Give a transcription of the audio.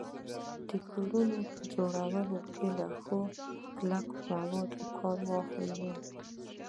د کورونو په جوړولو کي له ښو کلکو موادو کار واخلو